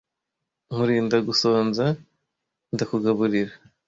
Nkurinda gusonza ndakugaburira